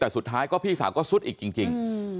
แต่สุดท้ายก็พี่สาวก็ซุดอีกจริง